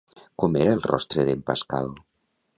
Com era el rostre d'en Pascal?